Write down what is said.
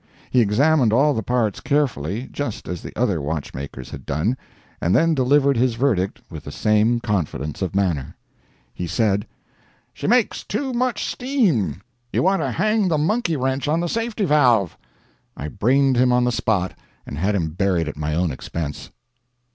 He examined all the parts carefully, just as the other watchmakers had done, and then delivered his verdict with the same confidence of manner. He said: "She makes too much steam you want to hang the monkey wrench on the safety valve!" I brained him on the spot, and had him buried at my own expense.